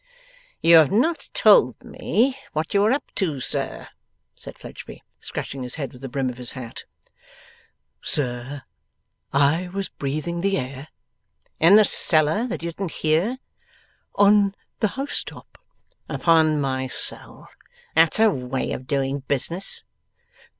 'You have not told me what you were up to, you sir,' said Fledgeby, scratching his head with the brim of his hat. 'Sir, I was breathing the air.' 'In the cellar, that you didn't hear?' 'On the house top.' 'Upon my soul! That's a way of doing business.